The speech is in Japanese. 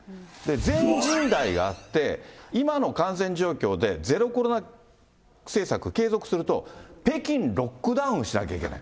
全人代があって、今の感染状況でゼロコロナ政策継続すると、北京ロックダウンしなきゃいけない。